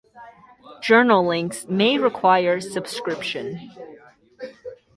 Journal links may require subscription.